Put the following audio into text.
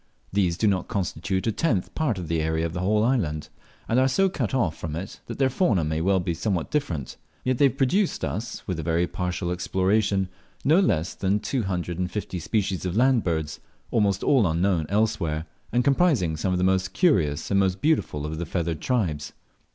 These do not constitute a tenth part of the area of the whole island, and are so cut off from it, that their fauna may well he somewhat different; yet they have produced us (with a very partial exploration) no less than two hundred and fifty species of land birds, almost all unknown elsewhere, and comprising some of the most curious and most beautiful of the feathered tribes.